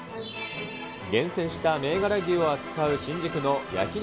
厳選した銘柄牛を扱う新宿の焼肉